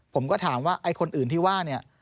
ผมก็ถามว่าไอ้คนอื่นที่ว่าเนี่ย